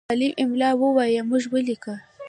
معلم املا وویله، موږ ولیکله.